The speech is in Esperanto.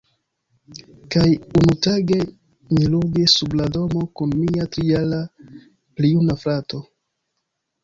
Kaj unutage, mi ludis sub la domo kun mia tri-jara-plijuna frato.